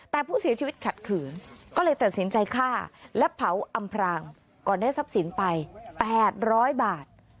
แต่ผู้เสียชีวิตขัดขืนก็เลยตัดสินใจฆ่าและเผาอำพรางก่อนได้ทรัพย์สินไป๘๐๐บาท